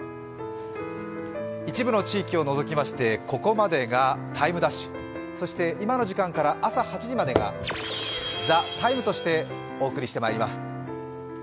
一部の地域を除きましてここまでが「ＴＩＭＥ’」そして今の時間から朝８時までが「ＴＨＥＴＩＭＥ，」としてお送りしてまいります。